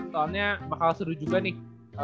soalnya bakal seru juga nih